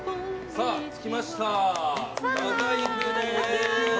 さあ着きました。